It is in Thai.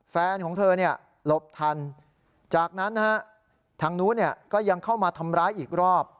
แฟนของเธอหลบทันจากนั้นทางนู้นก็ยังเข้ามาทำร้ายอีกรอบ